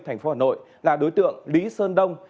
thành phố hà nội là đối tượng lý sơn đông